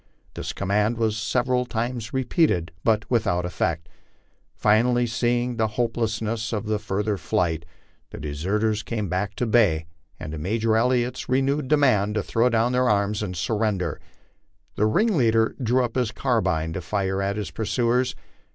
This command was several times repeated, but without effect. Finally, seeing the hopelessness of further flight, the de serters came to bay, and to Major Elliott's renewed demand to throw down their arms and surrender, the ringleader drew up his carbine to fire upon his pursuers.